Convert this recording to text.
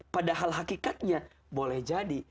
padahal hakikatnya boleh jadi